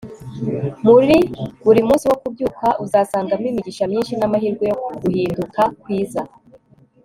muri buri munsi wo kubyuka, uzasangamo imigisha myinshi n'amahirwe yo guhinduka kwiza